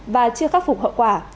và chưa khắc phục hậu quả